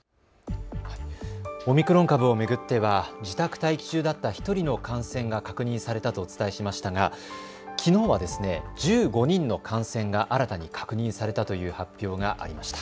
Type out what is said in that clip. オミクロン株を巡っては自宅待機中だった１人の感染が確認されたとお伝えしましたがきのうは１５人の感染が新たに確認されたという発表がありました。